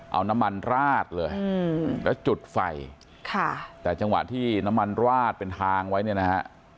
เอาน้ำมันราดเลยแล้วจุดไฟค่ะแต่จังหวะที่น้ำมันราดเป็นทางไว้เนี่ยนะฮะ